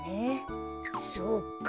そうか。